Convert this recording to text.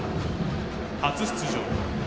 初出場。